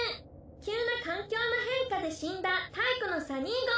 急な環境の変化で死んだ太古のサニーゴ。